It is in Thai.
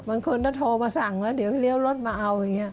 บางคนก็โทรมาสั่งแล้วเดี๋ยวเลี้ยวรถมาเอาอย่างนี้